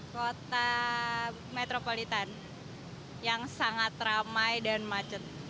kota metropolitan yang sangat ramai dan macet